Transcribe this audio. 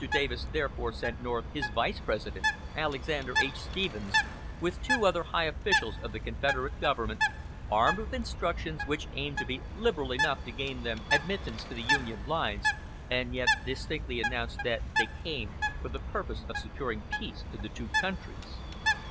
Davis therefore sent north his Vice President, Alexander H. Stephens, with two other high officials of the Confederate government, armed with instructions which aimed to be liberal enough to gain them admittance to the Union lines, and yet distinctly announced that they came "for the purpose of securing peace to the two countries."